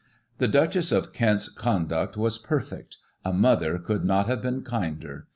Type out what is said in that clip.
" The Duchess of Kent's conduct was perfect ;' a mother could not have been kinder.'